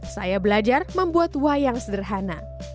saya belajar membuat wayang sederhana